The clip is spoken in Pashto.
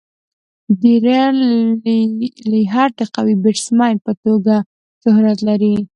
ډیرن لیهر د قوي بيټسمېن په توګه شهرت لري.